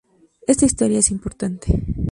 Esta historia es importante.